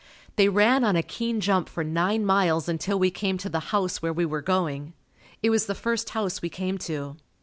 They ran on a keen jump for nine miles until we came to the house where we were going. It was the first house we came to.